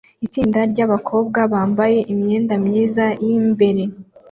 Itsinda ryabakobwa bambaye imyenda myiza yimbere